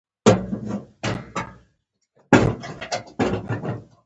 چې په پیسو نه شي رانیول کېدای.